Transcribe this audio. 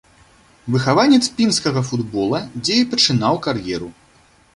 Выхаванец пінскага футбола, дзе і пачынаў кар'еру.